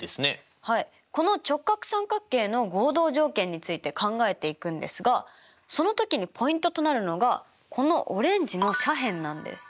この直角三角形の合同条件について考えていくんですがその時にポイントとなるのがこのオレンジの斜辺なんです。